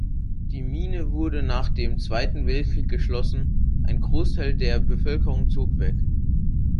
Die Mine wurde nach dem Zweiten Weltkrieg geschlossen, ein Großteil der Bevölkerung zog weg.